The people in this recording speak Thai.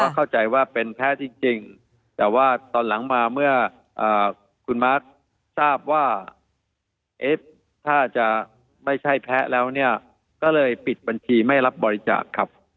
เข้าใจว่าเป็นแพ้จริงแต่ว่าตอนหลังมาเมื่อคุณมาร์คทราบว่าเอฟถ้าจะไม่ใช่แพ้แล้วเนี่ยก็เลยปิดบัญชีไม่รับบริจาคครับ